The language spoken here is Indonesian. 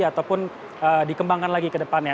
ataupun dikembangkan lagi ke depannya